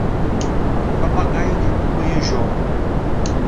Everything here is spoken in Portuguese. Papagaio que acompanha Jo